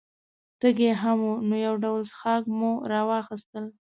تږي هم وو، نو یو ډول څښاک مو را واخیستل.